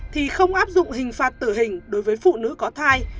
thì không áp dụng hình phạt tử hình đối với phụ nữ có thai